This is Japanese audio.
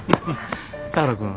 相良君